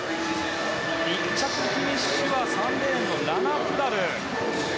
１着フィニッシュは３レーン、ラナ・プダル。